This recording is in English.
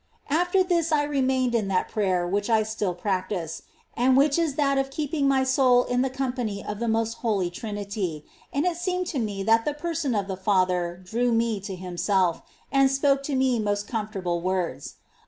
After this I remained in that prayer which I still practise, and which is that of keeping my soul in the company of the most Holy Trinity ; and it seemed to me that the Person of the Father drew me to Himself, and spoke to me most comfortable words.